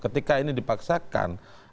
ketika ini dipaksakan